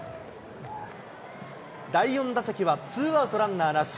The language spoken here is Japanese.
第４打席はツーアウトランナーなし。